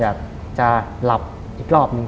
แบบจะหลับอีกรอบนึง